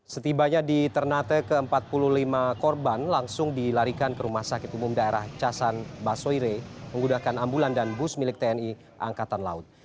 setibanya di ternate ke empat puluh lima korban langsung dilarikan ke rumah sakit umum daerah casan basoire menggunakan ambulan dan bus milik tni angkatan laut